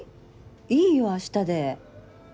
いいよ明日で。